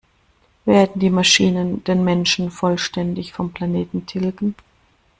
Werden die Maschinen den Menschen vollständig vom Planeten tilgen?